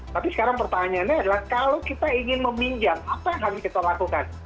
tapi sekarang pertanyaannya adalah kalau kita ingin meminjam apa yang harus kita lakukan